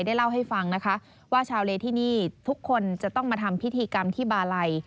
เล่าให้ฟังนะคะว่าชาวเลที่นี่ทุกคนจะต้องมาทำพิธีกรรมที่บาลัย